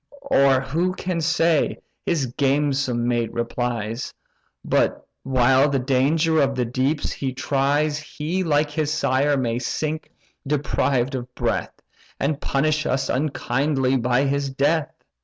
"Or who can say (his gamesome mate replies) But, while the danger of the deeps he tries He, like his sire, may sink deprived of breath, And punish us unkindly by his death?